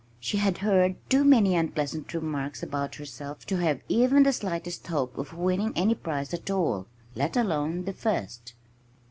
She had heard too many unpleasant remarks about herself to have even the slightest hope of winning any prize at all let alone the first.